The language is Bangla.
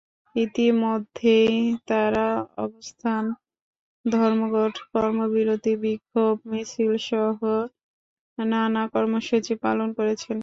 ইতিমধ্যেই তাঁরা অবস্থান ধর্মঘট, কর্মবিরতি, বিক্ষোভ মিছিলসহ নানা কর্মসূচি পালন করেছেন।